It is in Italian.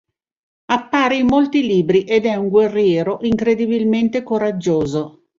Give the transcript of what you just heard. Appare in molti libri, ed è un guerriero incredibilmente coraggioso.